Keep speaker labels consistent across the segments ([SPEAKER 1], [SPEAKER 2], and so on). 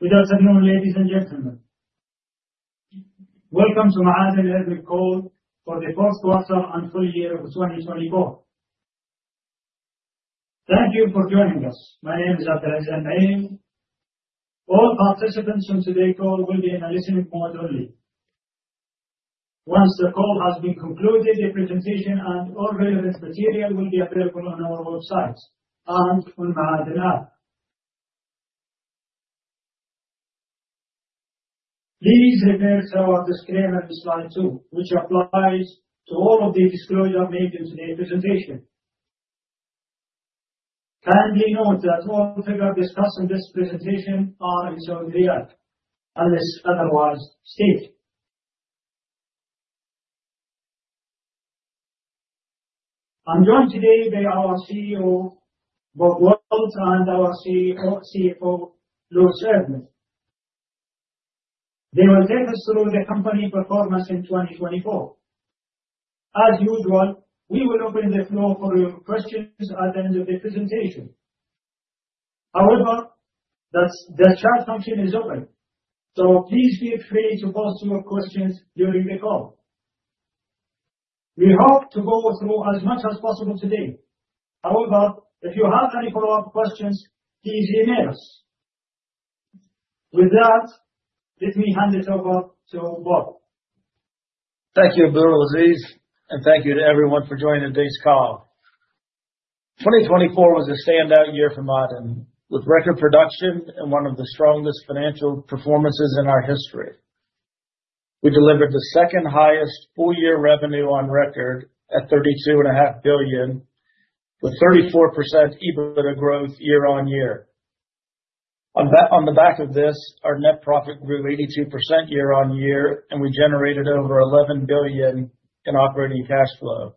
[SPEAKER 1] Good afternoon, ladies and gentlemen. Welcome to MAADEN earnings call for the fourth quarter and full year of 2024. Thank you for joining us. My name is Abdulaziz Alnaim. All participants from today call will be in a listening mode only. Once the call has been concluded, a presentation and all relevant material will be available on our websites and on MAADEN app. Please refer to our disclaimer on slide two, which applies to all of the disclosure made in today's presentation. Kindly note that all figures discussed in this presentation are in Saudi Riyal unless otherwise stated. I'm joined today by our CEO, Bob Wilt, and our CFO, Louis Irvine. They will take us through the company performance in 2024. As usual, we will open the floor for your questions at the end of the presentation. However, the chat function is open, so please feel free to post your questions during the call. We hope to go through as much as possible today. However, if you have any follow-up questions, please email us. With that, let me hand it over to Bob.
[SPEAKER 2] Thank you, Abdulaziz, and thank you to everyone for joining today's call. 2024 was a standout year for MAADEN, with record production and one of the strongest financial performances in our history. We delivered the second highest full-year revenue on record at 32.5 billion, with 34% EBITDA growth year-on-year. On the back of this, our net profit grew 82% year-on-year, and we generated over 11 billion in operating cash flow,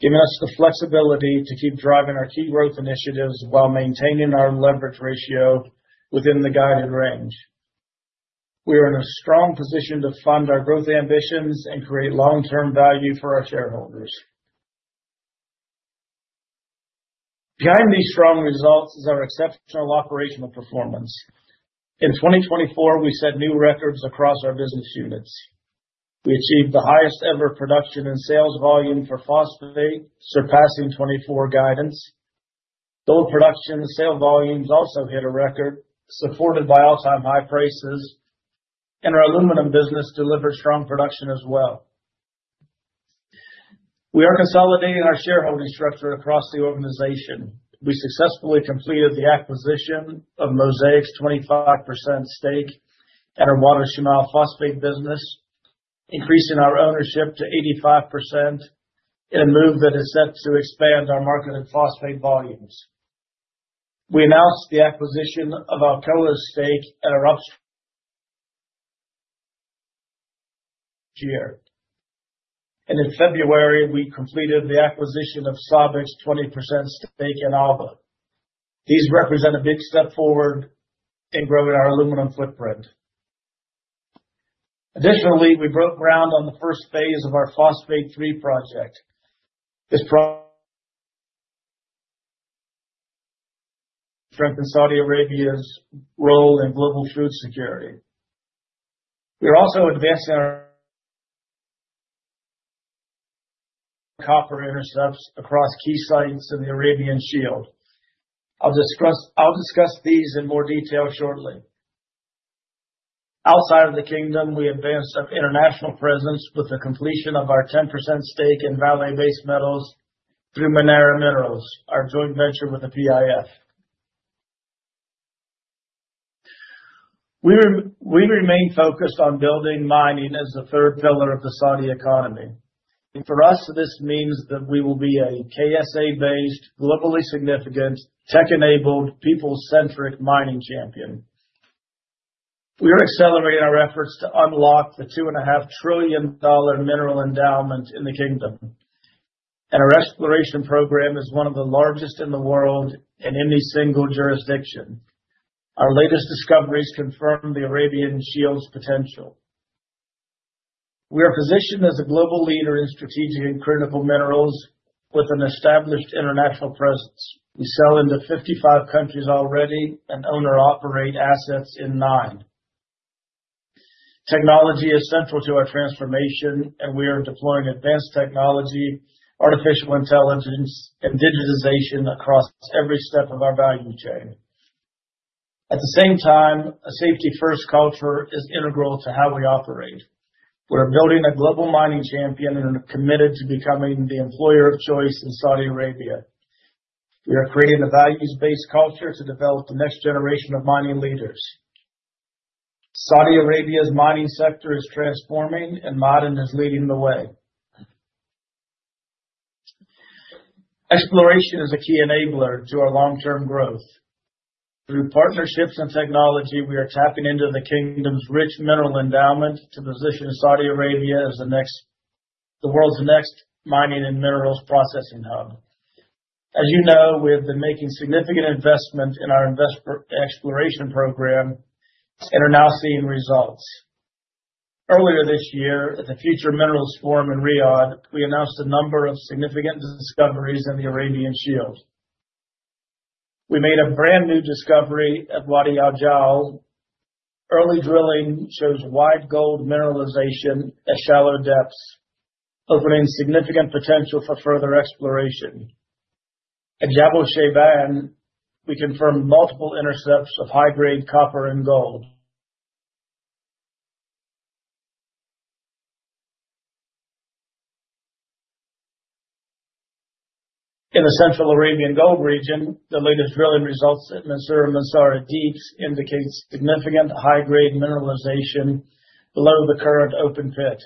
[SPEAKER 2] giving us the flexibility to keep driving our key growth initiatives while maintaining our leverage ratio within the guided range. We are in a strong position to fund our growth ambitions and create long-term value for our shareholders. Behind these strong results is our exceptional operational performance. In 2024, we set new records across our business units. We achieved the highest ever production and sales volume for phosphate, surpassing 2024 guidance. Gold production sales volumes also hit a record supported by all-time high prices, and our aluminum business delivered strong production as well. We are consolidating our shareholding structure across the organization. We successfully completed the acquisition of Mosaic's 25% stake in our Wa'ad Al Shamal Phosphate Company, increasing our ownership to 85% in a move that is set to expand our market and phosphate volumes. We announced the acquisition of Alcoa's stake in our upgrader. In February, we completed the acquisition of SABIC's 20% stake in Alba. These represent a big step forward in growing our aluminum footprint. Additionally, we broke ground on the first phase of our Phosphate 3 project. This strengthens Saudi Arabia's role in global food security. We are also advancing our copper intercepts across key sites in the Arabian Shield. I'll discuss these in more detail shortly. Outside of the kingdom, we advanced our international presence with the completion of our 10% stake in Vale Base Metals through Manara Minerals, our joint venture with the PIF. We remain focused on building mining as the third pillar of the Saudi economy. For us, this means that we will be a KSA-based, globally significant, tech-enabled, people-centric mining champion. We are accelerating our efforts to unlock the $2.5 trillion mineral endowment in the kingdom, and our exploration program is one of the largest in the world and in any single jurisdiction. Our latest discoveries confirm the Arabian Shield's potential. We are positioned as a global leader in strategic and critical minerals with an established international presence. We sell into 55 countries already and own or operate assets in nine. Technology is central to our transformation, and we are deploying advanced technology, artificial intelligence, and digitization across every step of our value chain. At the same time, a safety-first culture is integral to how we operate. We're building a global mining champion and are committed to becoming the employer of choice in Saudi Arabia. We are creating a values-based culture to develop the next generation of mining leaders. Saudi Arabia's mining sector is transforming, and MAADEN is leading the way. Exploration is a key enabler to our long-term growth. Through partnerships and technology, we are tapping into the kingdom's rich mineral endowment to position Saudi Arabia as the world's next mining and minerals processing hub. As you know, we have been making significant investment in our exploration program and are now seeing results. Earlier this year, at the Future Minerals Forum in Riyadh, we announced a number of significant discoveries in the Arabian Shield. We made a brand new discovery at Wadi Al Jaww. Early drilling shows wide gold mineralization at shallow depths, opening significant potential for further exploration. At Jabal Shayban, we confirmed multiple intercepts of high-grade copper and gold. In the Central Arabian Gold region, the latest drilling results at Mansourah and Massarah Deeps indicates significant high-grade mineralization below the current open pit.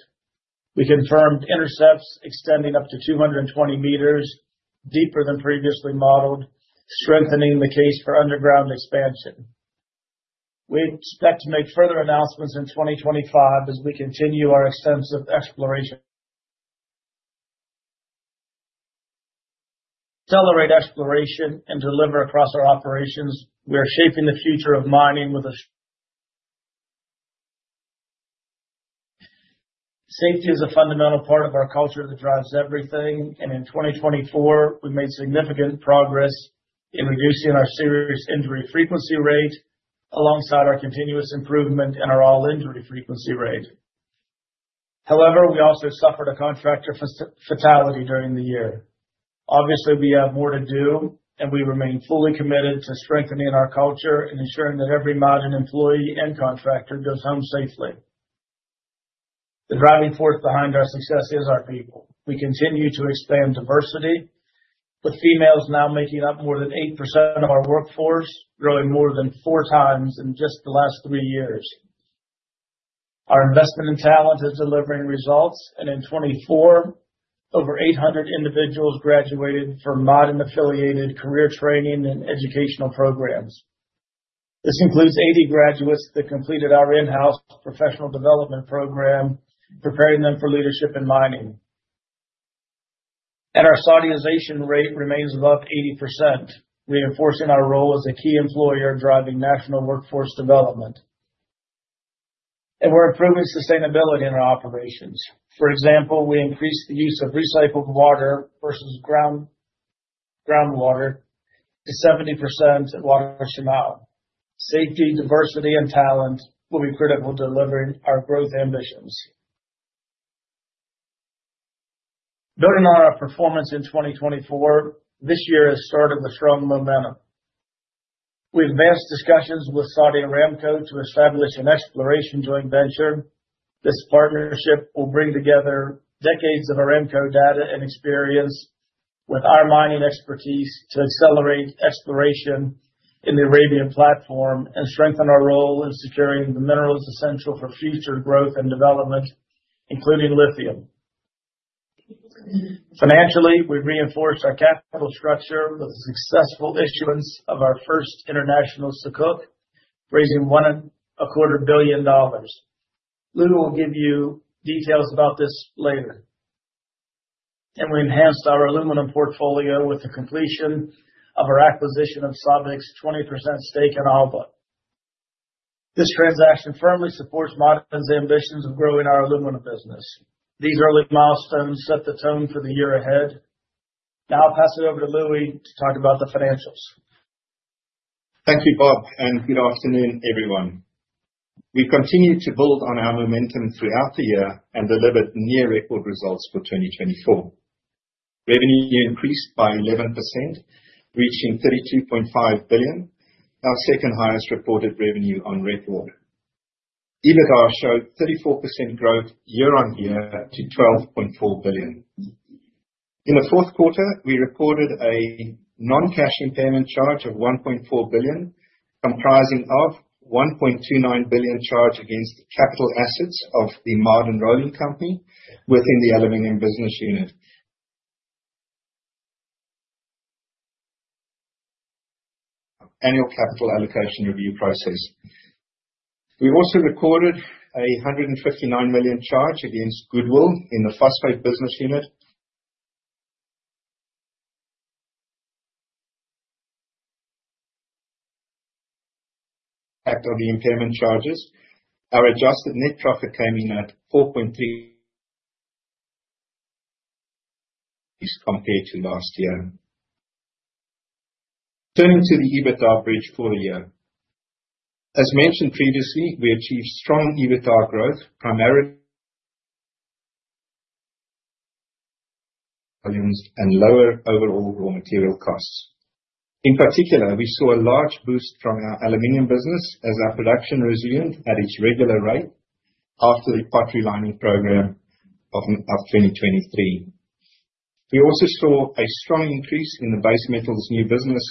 [SPEAKER 2] We confirmed intercepts extending up to 220 meters deeper than previously modeled, strengthening the case for underground expansion. We expect to make further announcements in 2025 as we continue our extensive exploration. Accelerate exploration and deliver across our operations. We are shaping the future of mining. Safety is a fundamental part of our culture that drives everything, and in 2024, we made significant progress in reducing our serious injury frequency rate alongside our continuous improvement in our all-injury frequency rate. However, we also suffered a contractor fatality during the year. Obviously, we have more to do, and we remain fully committed to strengthening our culture and ensuring that every MAADEN employee and contractor goes home safely. The driving force behind our success is our people. We continue to expand diversity, with females now making up more than 8% of our workforce, growing more than 4x in just the last three years. Our investment in talent is delivering results, and in 2024, over 800 individuals graduated from MAADEN affiliated career training and educational programs. This includes 80 graduates that completed our in-house professional development program, preparing them for leadership in mining. Our Saudization rate remains above 80%, reinforcing our role as a key employer driving national workforce development. We're improving sustainability in our operations. For example, we increased the use of recycled water versus ground water to 70% at Wa'ad Al Shamal. Safety, diversity, and talent will be critical to delivering our growth ambitions. Building on our performance in 2024, this year has started with strong momentum. We've advanced discussions with Saudi Aramco to establish an exploration joint venture. This partnership will bring together decades of Aramco data and experience with our mining expertise to accelerate exploration in the Arabian platform and strengthen our role in securing the minerals essential for future growth and development, including lithium. Financially, we reinforced our capital structure with the successful issuance of our first international sukuk, raising $1.25 billion. Louis will give you details about this later. We enhanced our aluminum portfolio with the completion of our acquisition of SABIC's 20% stake in Alba. This transaction firmly supports MAADEN ambitions of growing our aluminum business. These early milestones set the tone for the year ahead. Now I'll pass it over to Louis to talk about the financials.
[SPEAKER 3] Thank you, Bob, and good afternoon, everyone. We continued to build on our momentum throughout the year and delivered near record results for 2024. Revenue increased by 11%, reaching 32.5 billion, our second highest reported revenue on record. EBITDA showed 34% growth year-on-year to 12.4 billion. In the fourth quarter, we recorded a non-cash impairment charge of 1.4 billion, comprising of 1.29 billion charge against capital assets of the MAADEN Rolling Company within the aluminum business unit. Annual capital allocation review process. We also recorded a 159 million charge against goodwill in the Phosphate business unit. After the impairment charges, our adjusted net profit came in at 4.3 billion compared to last year. Turning to the EBITDA bridge for the year. As mentioned previously, we achieved strong EBITDA growth, primarily due to lower overall raw material costs. In particular, we saw a large boost from our aluminum business as our production resumed at its regular rate after the pot relining program of 2023. We also saw a strong increase in the base metals new business,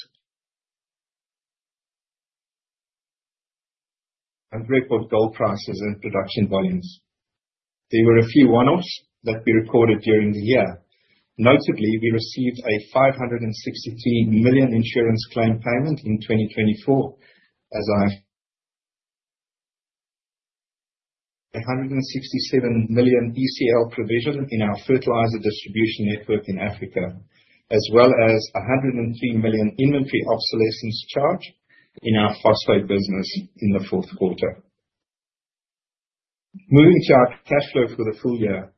[SPEAKER 3] record gold prices and production volumes. There were a few one-offs that we recorded during the year. Notably, we received a 563 million insurance claim payment in 2024 as well as a 167 million ECL provision in our fertilizer distribution network in Africa, as well as a 103 million inventory obsolescence charge in our phosphate business in the fourth quarter. Moving to our cash flow for the full year.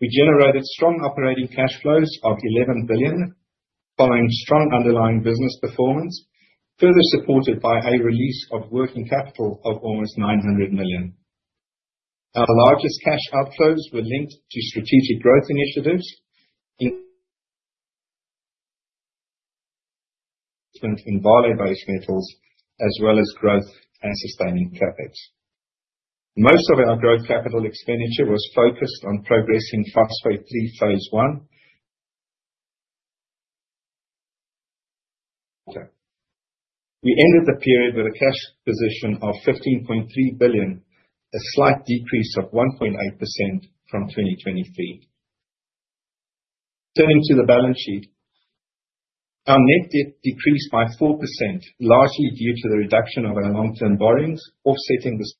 [SPEAKER 3] We generated strong operating cash flows of 11 billion, following strong underlying business performance, further supported by a release of working capital of almost 900 million. Our largest cash outflows were linked to strategic growth initiatives, investment in base metals as well as growth and sustaining CapEx. Most of our growth capital expenditure was focused on progressing Phosphate 3 phase I. We ended the period with a cash position of 15.3 billion, a slight decrease of 1.8% from 2023. Turning to the balance sheet. Our net debt decreased by 4%, largely due to the reduction of our long-term borrowings offsetting these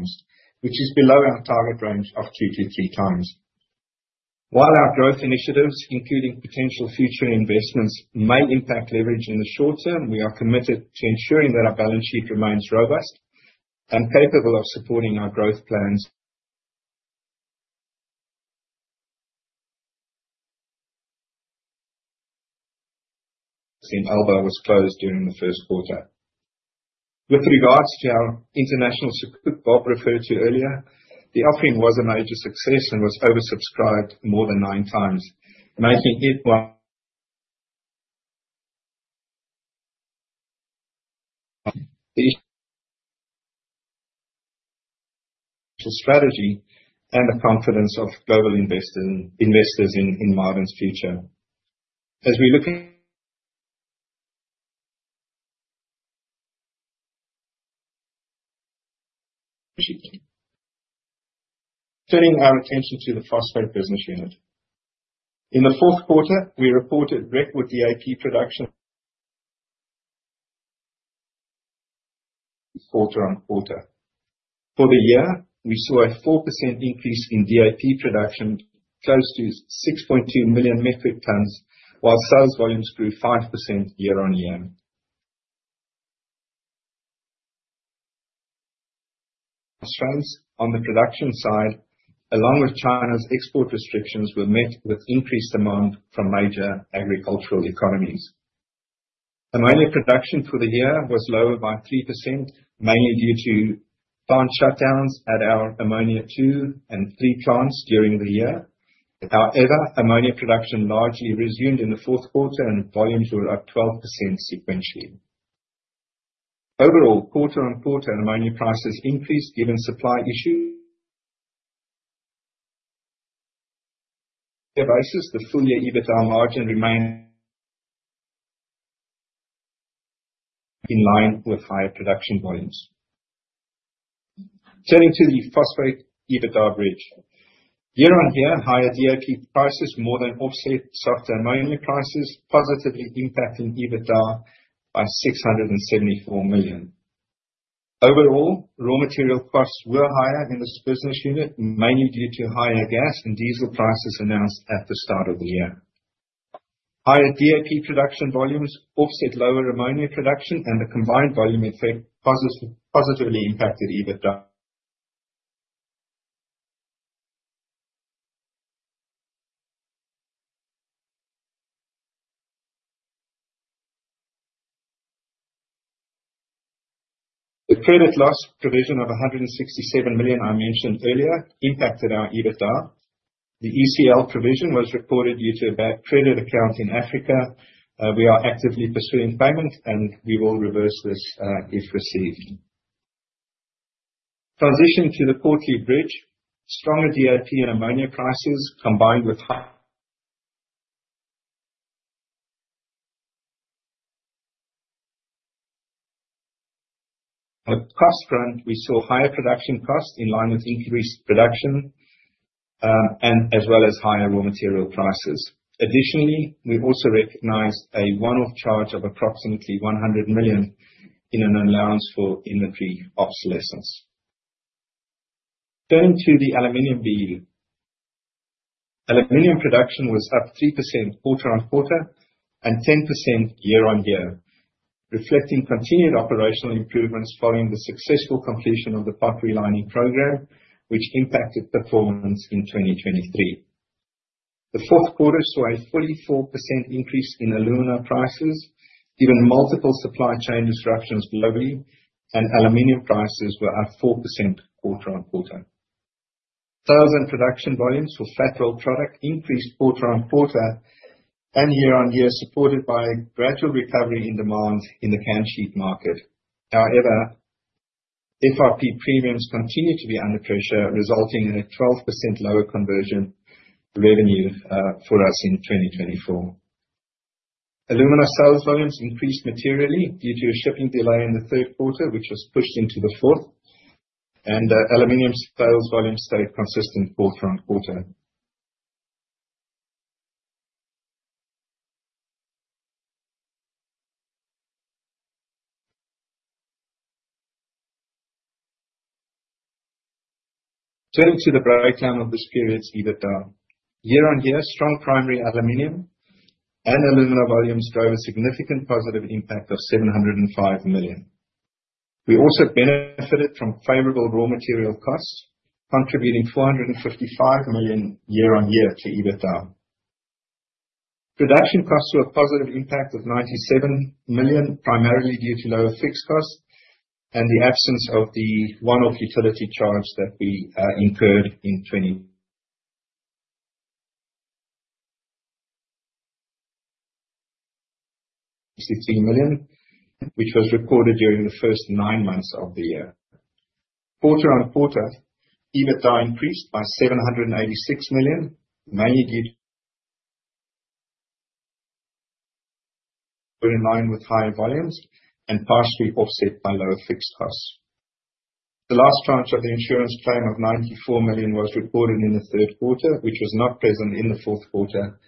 [SPEAKER 3] times, which is below our target range of 2x-3x. While our growth initiatives, including potential future investments, may impact leverage in the short term, we are committed to ensuring that our balance sheet remains robust and capable of supporting our growth plans. In Alba was closed during the first quarter. With regards to our international, Bob referred to earlier, the offering was a major success and was oversubscribed more than 9x, making it the strategy and the confidence of global investors in MAADEN's future. Turning our attention to the phosphate business unit. In the fourth quarter, we reported record DAP production quarter on quarter. For the year, we saw a 4% increase in DAP production, close to 6.2 million metric tons, while sales volumes grew 5% year-on-year. Strains on the production side, along with China's export restrictions, were met with increased demand from major agricultural economies. Ammonia production for the year was lower by 3%, mainly due to plant shutdowns at our Ammonia II and III plants during the year. However, ammonia production largely resumed in the fourth quarter, and volumes were up 12% sequentially. Overall, quarter-over-quarter, ammonia prices increased given supply issues. Despite the full-year EBITDA margin remained in line with higher production volumes. Turning to the phosphate EBITDA bridge. Year-over-year, higher DAP prices more than offset softer ammonia prices, positively impacting EBITDA by 674 million. Overall, raw material costs were higher in this business unit, mainly due to higher gas and diesel prices announced at the start of the year. Higher DAP production volumes offset lower ammonia production and the combined volume effect positively impacted EBITDA. The credit loss provision of 167 million I mentioned earlier impacted our EBITDA. The ECL provision was reported due to a bad credit account in Africa. We are actively pursuing payment and we will reverse this, if received. Transitioning to the quarterly bridge. Stronger DAP and ammonia prices. On the cost front, we saw higher production costs in line with increased production, and as well as higher raw material prices. Additionally, we've also recognized a one-off charge of approximately 100 million in an allowance for inventory obsolescence. Turning to the aluminum BU. Aluminum production was up 3% quarter-over-quarter and 10% year-over-year, reflecting continued operational improvements following the successful completion of the pot relining program, which impacted performance in 2023. The fourth quarter saw a 44% increase in alumina prices given multiple supply chain disruptions globally, and aluminum prices were up 4% quarter-over-quarter. Sales and production volumes for flat roll product increased quarter-over-quarter and year-over-year, supported by gradual recovery in demand in the can sheet market. However, FRP premiums continued to be under pressure, resulting in a 12% lower conversion revenue for us in 2024. Alumina sales volumes increased materially due to a shipping delay in the third quarter, which was pushed into the fourth. Aluminum sales volumes stayed consistent quarter-over-quarter. Turning to the breakdown of this period's EBITDA. Year-over-year, strong primary aluminum and alumina volumes drove a significant positive impact of 705 million. We also benefited from favorable raw material costs, contributing 455 million year-over-year to EBITDA. Production costs were a positive impact of 97 million, primarily due to lower fixed costs and the absence of the one-off utility charge that we incurred in 2020. 63 million, which was recorded during the first nine months of the year. Quarter-on-quarter, EBITDA increased by 786 million, mainly due to higher volumes and partially offset by lower fixed costs. The last tranche of the insurance claim of 94 million was recorded in the third quarter, which was not present in the fourth quarter,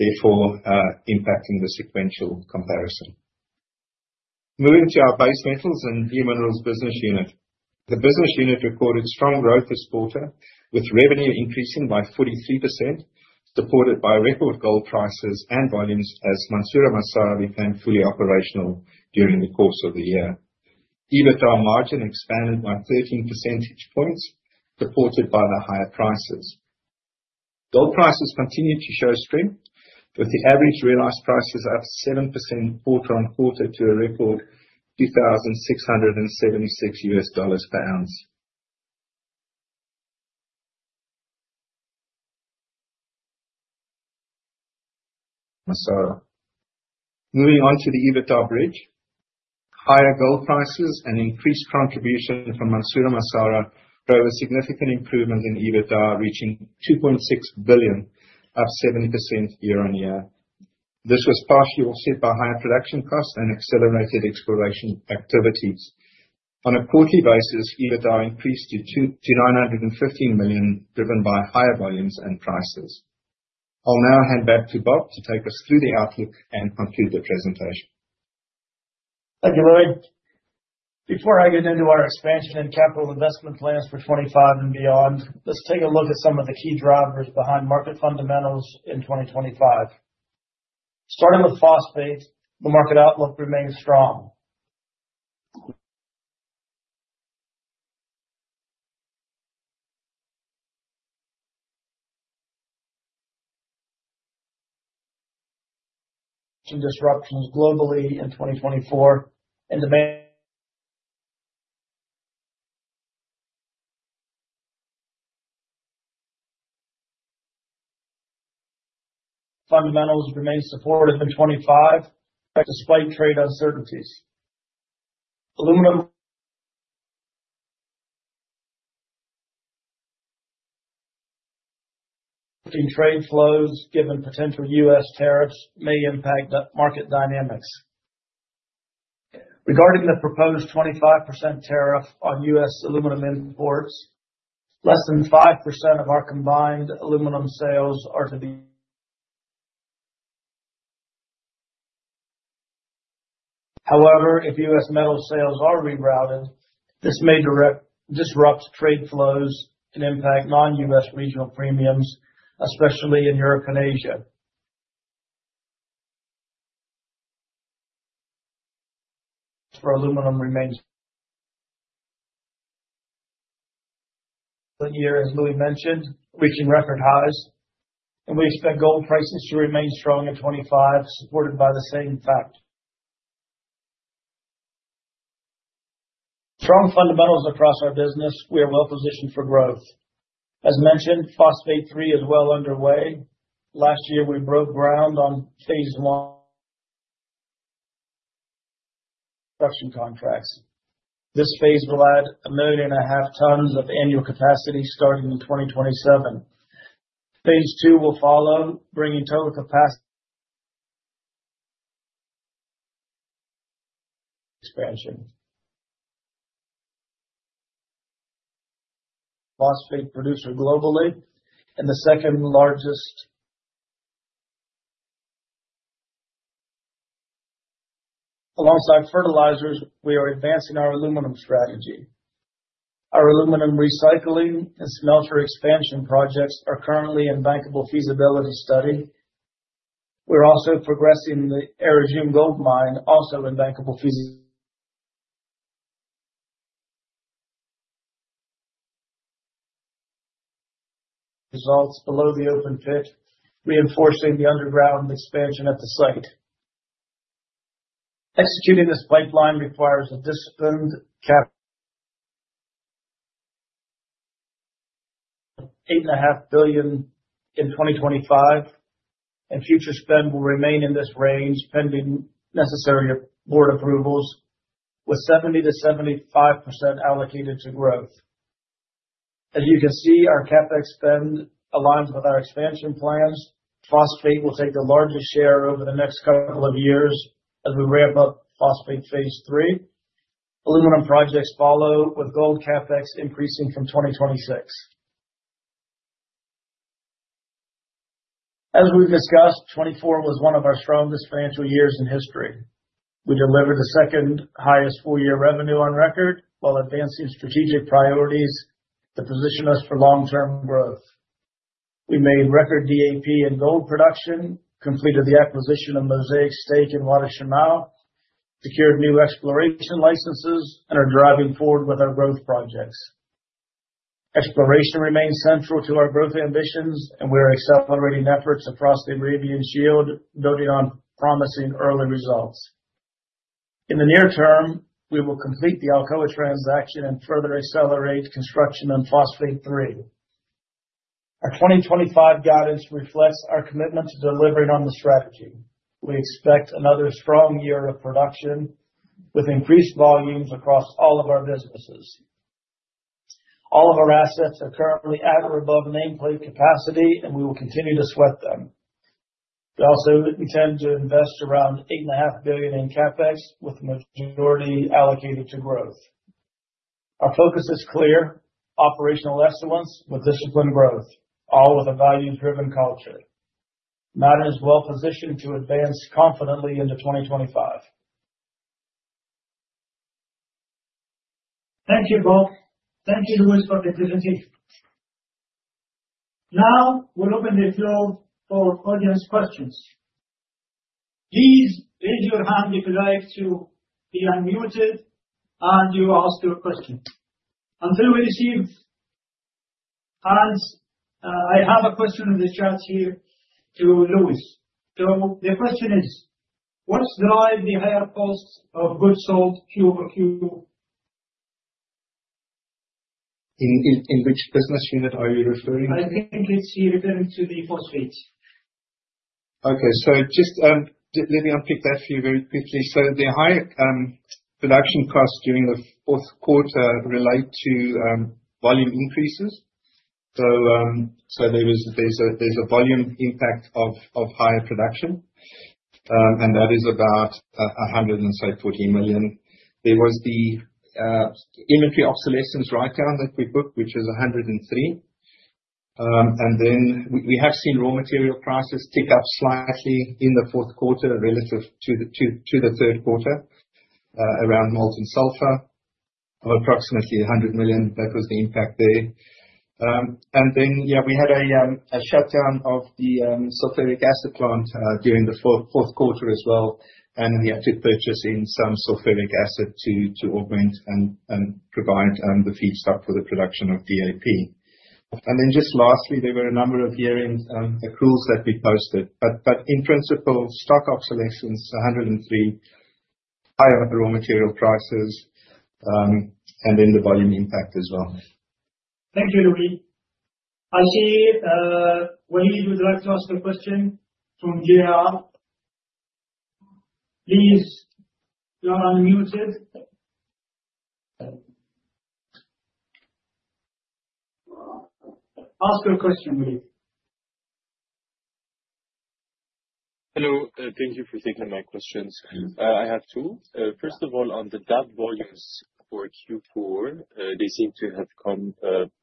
[SPEAKER 3] therefore impacting the sequential comparison. Moving to our base metals and new minerals business unit. The business unit recorded strong growth this quarter, with revenue increasing by 43%, supported by record gold prices and volumes as Mansourah-Massarah became fully operational during the course of the year. EBITDA margin expanded by 13 percentage points, supported by the higher prices. Gold prices continued to show strength, with the average realized prices up 7% quarter-on-quarter to a record $2,676 per ounce. Massarah. Moving on to the EBITDA bridge. Higher gold prices and increased contribution from Mansourah-Massarah drove a significant improvement in EBITDA, reaching 2.6 billion, up 7% year-on-year. This was partially offset by higher production costs and accelerated exploration activities. On a quarterly basis, EBITDA increased to 915 million, driven by higher volumes and prices. I'll now hand back to Bob to take us through the outlook and conclude the presentation.
[SPEAKER 2] Thank you, Louis. Before I get into our expansion and capital investment plans for 2025 and beyond, let's take a look at some of the key drivers behind market fundamentals in 2025. Starting with phosphate, the market outlook remains strong. Some disruptions globally in 2024. Fundamentals remain supportive in 2025 despite trade uncertainties. Aluminum. Trade flows, given potential U.S. tariffs may impact the market dynamics. Regarding the proposed 25% tariff on U.S. aluminum imports, less than 5% of our combined aluminum sales are to the U.S. However, if U.S. metal sales are rerouted, this may disrupt trade flows and impact non-U.S. regional premiums, especially in Europe and Asia. Last year, as Louis mentioned, reaching record highs, and we expect gold prices to remain strong in 2025, supported by the same factors. Strong fundamentals across our business. We are well positioned for growth. As mentioned, Phosphate Three is well underway. Last year, we broke ground on phase I. Construction contracts. This phase will add 1.5 million tons of annual capacity starting in 2027. phase II will follow, bringing total capacity expansion. Phosphate producer globally and the second largest. Alongside fertilizers, we are advancing our aluminum strategy. Our aluminum recycling and smelter expansion projects are currently in bankable feasibility study. We're also progressing the Ar Rjum Gold Mine, also in bankable feasibility study. Results below the open pit, reinforcing the underground expansion at the site. Executing this pipeline requires a disciplined CapEx 8.5 billion in 2025, and future spend will remain in this range, pending necessary board approvals, with 70%-75% allocated to growth. As you can see, our CapEx spend aligns with our expansion plans. Phosphate will take the largest share over the next couple of years as we ramp up Phosphate Three. Aluminum projects follow, with gold CapEx increasing from 2026. As we've discussed, 2024 was one of our strongest financial years in history. We delivered the second-highest four-year revenue on record while advancing strategic priorities that position us for long-term growth. We made record DAP and gold production, completed the acquisition of Mosaic's stake in Wa'ad Al Shamal, secured new exploration licenses, and are driving forward with our growth projects. Exploration remains central to our growth ambitions, and we are accelerating efforts across the Arabian Shield, building on promising early results. In the near term, we will complete the Alcoa transaction and further accelerate construction on Phosphate Three. Our 2025 guidance reflects our commitment to delivering on the strategy. We expect another strong year of production with increased volumes across all of our businesses. All of our assets are currently at or above nameplate capacity, and we will continue to sweat them. We also intend to invest around 8.5 billion in CapEx, with the majority allocated to growth. Our focus is clear: operational excellence with disciplined growth, all with a value-driven culture. MAADEN is well-positioned to advance confidently into 2025.
[SPEAKER 1] Thank you, Bob. Thank you, Louis, for the presentation. Now, we'll open the floor for audience questions. Please raise your hand if you'd like to be unmuted and you ask your question. Until we receive hands, I have a question in the chat here to Louis. The question is: what's driving the higher cost of goods sold quarter-over-quarter?
[SPEAKER 3] In which business unit are you referring to?
[SPEAKER 1] I think it's referring to the phosphate.
[SPEAKER 3] Okay. Just let me unpick that for you very quickly. The higher production costs during the fourth quarter relate to volume increases. There is a volume impact of higher production, and that is about 140 million. There was the inventory obsolescence writedown that we booked, which is 103 million. And then we have seen raw material prices tick up slightly in the fourth quarter relative to the third quarter, around molten sulfur, of approximately 100 million, that was the impact there. We had a shutdown of the sulfuric acid plant during the fourth quarter as well, and we had to purchase some sulfuric acid to augment and provide the feedstock for the production of DAP. Just lastly, there were a number of year-end accruals that we posted. In principle, stock obsolescence, 103, higher raw material prices, and the volume impact as well.
[SPEAKER 1] Thank you, Louis. I see, Waleed would like to ask a question from Jefferies. Please, you are unmuted. Ask your question, Waleed.
[SPEAKER 4] Hello. Thank you for taking my questions.
[SPEAKER 3] Mm-hmm.
[SPEAKER 4] I have two. First of all, on the DAP volumes for Q4, they seem to have come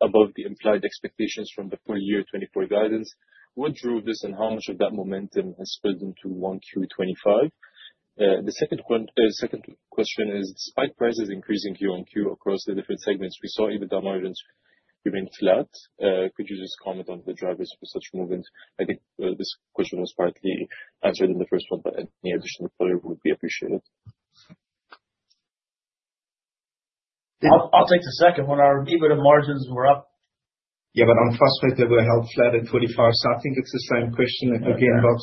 [SPEAKER 4] above the implied expectations from the full year 2024 guidance. What drove this, and how much of that momentum has spilled into 1Q 2025? The second one, second question is, despite prices increasing Q-on-Q across the different segments, we saw EBITDA margins remaining flat. Could you just comment on the drivers for such movement? I think, this question was partly answered in the first one, but any additional color would be appreciated.
[SPEAKER 2] I'll take the second one. Our EBITDA margins were up.
[SPEAKER 3] Yeah, on phosphate, they were held flat in 2025. I think it's the same question at the end, Bob.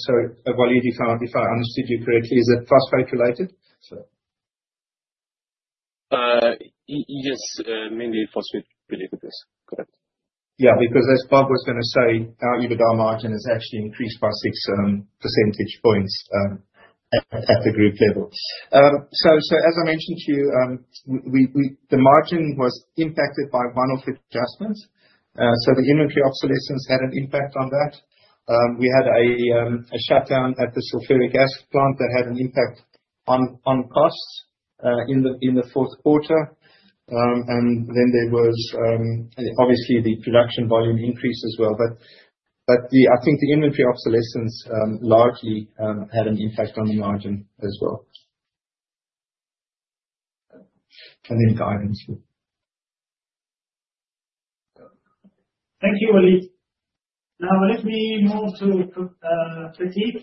[SPEAKER 2] Okay.
[SPEAKER 3] Waleed, if I understood you correctly, is it phosphate related?
[SPEAKER 4] Yes, mainly phosphate related. Yes. Correct.
[SPEAKER 3] Yeah, because as Bob was gonna say, our EBITDA margin has actually increased by six percentage points at the group level. So, as I mentioned to you, the margin was impacted by one-off adjustments. The inventory obsolescence had an impact on that. We had a shutdown at the sulfuric acid plant that had an impact on costs in the fourth quarter. Then there was obviously the production volume increase as well. But I think the inventory obsolescence largely had an impact on the margin as well. Then guidance as well.
[SPEAKER 1] Thank you, Waleed. Now let me move to Prateek.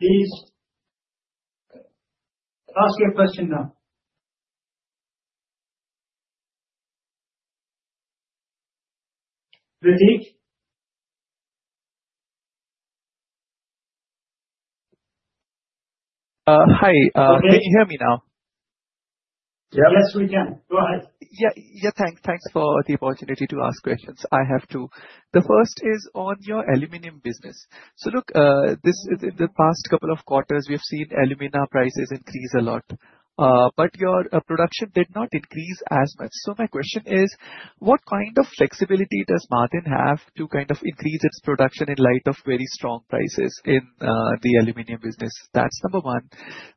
[SPEAKER 1] Please ask your question now. Prateek?
[SPEAKER 5] Hi.
[SPEAKER 1] Prateek.
[SPEAKER 5] Can you hear me now?
[SPEAKER 2] Yeah.
[SPEAKER 1] Yes, we can. Go ahead.
[SPEAKER 5] Thanks for the opportunity to ask questions. I have two. The first is on your aluminum business. Look, this is in the past couple of quarters, we have seen alumina prices increase a lot. Your production did not increase as much. My question is, what kind of flexibility does MAADEN have to kind of increase its production in light of very strong prices in the aluminum business? That's number one.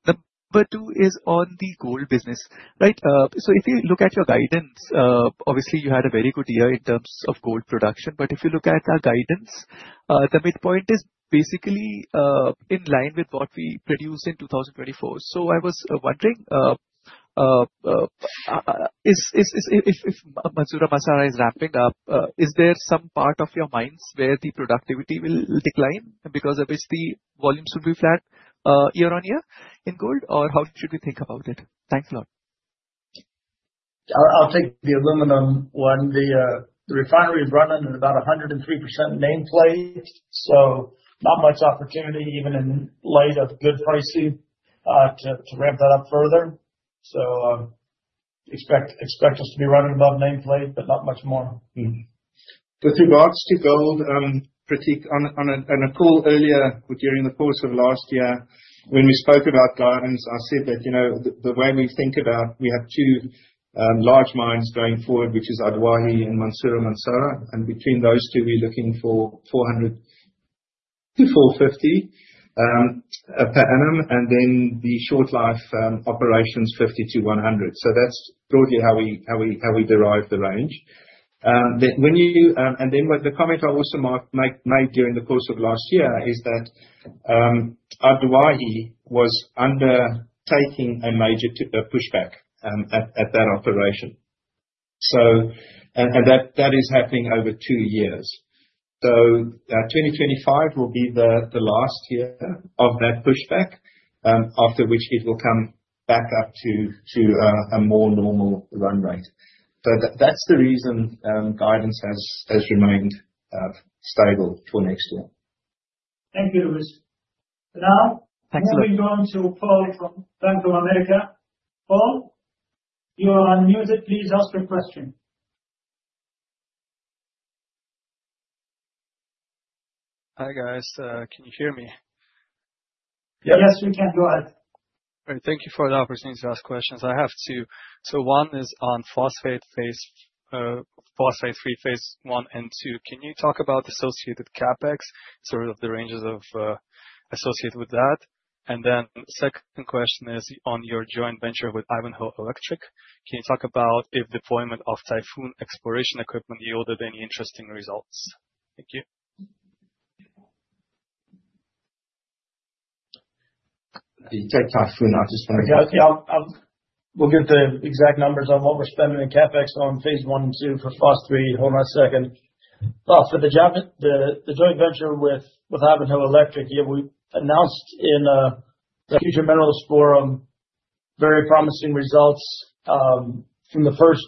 [SPEAKER 5] Number two is on the gold business, right? If you look at your guidance, obviously you had a very good year in terms of gold production. If you look at our guidance, the midpoint is basically in line with what we produced in 2024. I was wondering, if Mansourah-Massarah is ramping up, is there some part of your mines where the productivity will decline, and because of which the volumes will be flat year-on-year in gold? Or how should we think about it? Thanks a lot.
[SPEAKER 2] I'll take the aluminum one. The refinery is running at about 103% nameplate, so not much opportunity even in light of good pricing, to ramp that up further. Expect us to be running above nameplate but not much more.
[SPEAKER 3] Mm-hmm. With regards to gold, Prateek, on a call earlier during the course of last year, when we spoke about guidance, I said that, you know, the way we think about, we have two large mines going forward, which is Ad Duwayhi and Mansourah-Massarah. Between those two, we're looking for 400-450 per annum, and then the short life operations 50-100. That's broadly how we derive the range. When you... With the comment I also made during the course of last year is that, Ad Duwayhi was undertaking a major pushback at that operation. That is happening over two years. 2025 will be the last year of that pushback, after which it will come back up to a more normal run rate. That's the reason guidance has remained stable for next year.
[SPEAKER 1] Thank you, Louis.
[SPEAKER 5] Thanks a lot.
[SPEAKER 1] Moving on to Paul from Bank of America. Paul, you are unmuted. Please ask your question.
[SPEAKER 6] Hi, guys. Can you hear me?
[SPEAKER 3] Yes.
[SPEAKER 1] Yes, we can. Go ahead.
[SPEAKER 6] Great. Thank you for the opportunity to ask questions. I have two. One is on Phosphate 3 phase I and II. Can you talk about associated CapEx, sort of the ranges of, associated with that? Second question is on your joint venture with Ivanhoe Electric. Can you talk about if deployment of Typhoon™ exploration equipment yielded any interesting results? Thank you.
[SPEAKER 3] You take Typhoon™, I'll just take.
[SPEAKER 2] Yeah, yeah. We'll get the exact numbers on what we're spending in CapEx on phase I and II for phos three. Hold on a second. For the joint venture with Ivanhoe Electric, yeah, we announced in the Future Minerals Forum very promising results from the first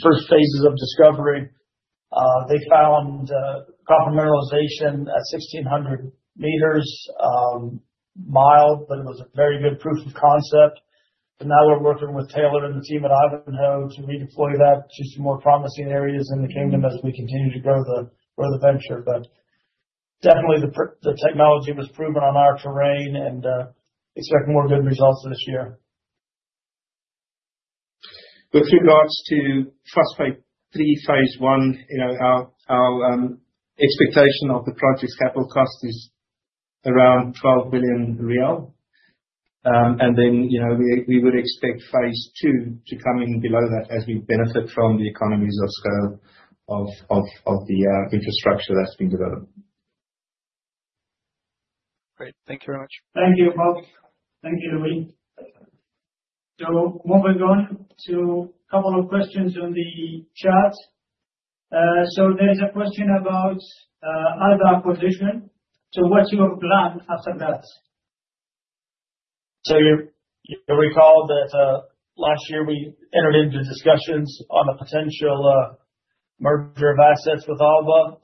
[SPEAKER 2] phases of discovery. They found copper mineralization at 1,600 m, mi, but it was a very good proof of concept. Now we're working with Taylor and the team at Ivanhoe to redeploy that to some more promising areas in the kingdom as we continue to grow the venture. Definitely the technology was proven on our terrain and expect more good results this year.
[SPEAKER 3] With regards to Phosphate Three, phase I, you know, our expectation of the project's capital cost is around SAR 12 billion. You know, we would expect phase II to come in below that as we benefit from the economies of scale of the infrastructure that's been developed.
[SPEAKER 6] Great. Thank you very much.
[SPEAKER 1] Thank you, Paul. Thank you, Louis. Moving on to a couple of questions on the chat. There's a question about Alba acquisition. What's your plan after that?
[SPEAKER 2] You recall that last year we entered into discussions on a potential merger of assets with Alba.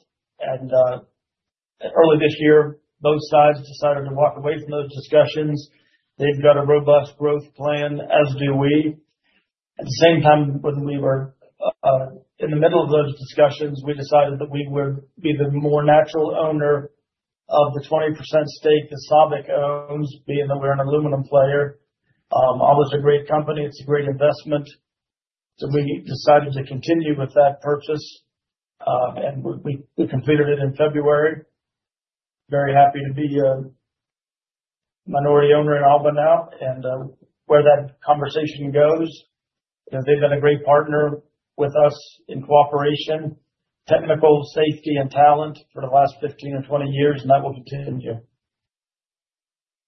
[SPEAKER 2] Early this year, both sides decided to walk away from those discussions. They've got a robust growth plan, as do we. At the same time, when we were in the middle of those discussions, we decided that we would be the more natural owner of the 20% stake that SABIC owns, being that we're an aluminum player. Alba's a great company. It's a great investment. We decided to continue with that purchase, and we completed it in February. Very happy to be a minority owner in Alba now. Where that conversation goes, you know, they've been a great partner with us in cooperation, technical, safety, and talent for the last 15 or 20 years, and that will continue.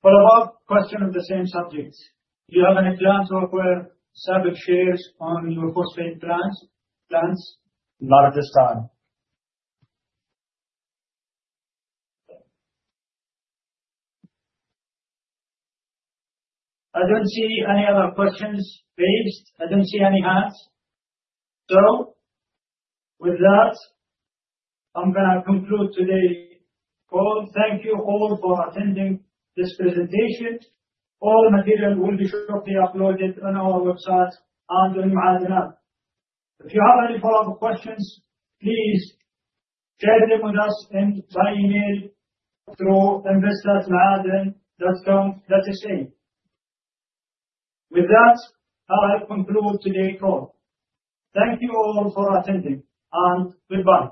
[SPEAKER 1] Follow-up question on the same subject. Do you have any plans to acquire SABIC shares on your phosphate plants?
[SPEAKER 2] Not at this time.
[SPEAKER 1] I don't see any other questions raised. I don't see any hands. With that, I'm gonna conclude today's call. Thank you all for attending this presentation. All material will be shortly uploaded on our website under MAADEN Hub. If you have any follow-up questions, please share them with us via email through invest@maaden.com. With that, I conclude today's call. Thank you all for attending, and goodbye.